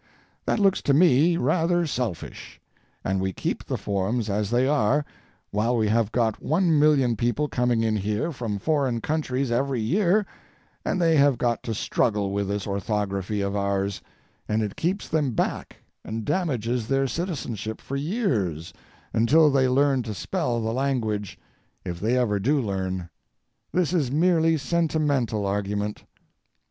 That looks to me to be rather selfish, and we keep the forms as they are while we have got one million people coming in here from foreign countries every year and they have got to struggle with this orthography of ours, and it keeps them back and damages their citizenship for years until they learn to spell the language, if they ever do learn. This is merely sentimental argument.